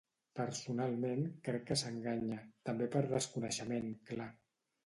Personalment crec que s’enganya, també per desconeixement, clar.